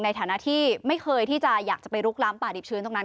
ในฐานะที่ไม่เคยที่จะอยากจะไปลุกล้ำป่าดิบชื้นตรงนั้น